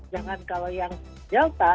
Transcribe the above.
jangan kalau yang delta